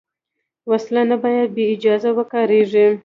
وسله نه باید بېاجازه وکارېږي